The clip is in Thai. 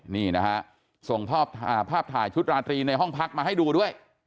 นี่นะฮะส่งภาพถ่ายชุดราตรีในห้องพักมาให้ดูด้วย